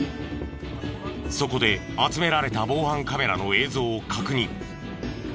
そこで集められた防犯カメラの映像を確認。